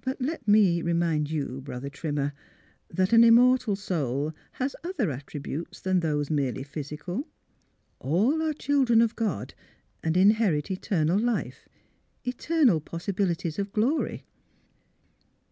But let me remind you, Brother Trimmer, that an immortal soul has other attributes than those merely physical : all are children of God, and inherit eter nal life — eternal possibilities of glory."